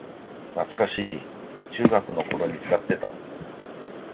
懐かしい、中学生の頃に使ってた